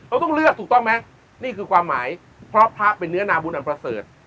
ต้องเลือกถูกต้องไหมนี่คือความหมายเพราะพระเป็นเนื้อนาบุญอันประเสริฐ